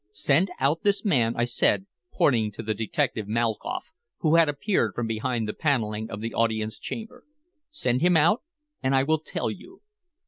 "Send out this man," I said, pointing to the detective Malkoff, who had appeared from behind the paneling of the audience chamber. "Send him out, and I will tell you."